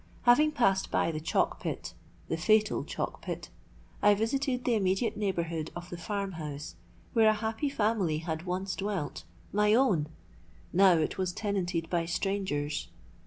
Having passed by the chalk pit—the fatal chalk pit—I visited the immediate neighbourhood of the farm house where a happy family had once dwelt—my own! Now it was tenanted by strangers.